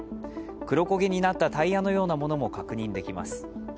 黒焦げになったタイヤのようなものも確認できます。